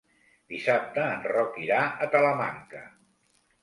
Dissabte en Roc irà a Talamanca.